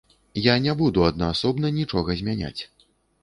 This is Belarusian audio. Я не буду аднаасобна нічога змяняць.